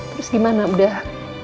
terus gimana udah